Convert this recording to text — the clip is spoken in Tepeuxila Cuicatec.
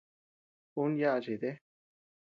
Un yaʼa cheete.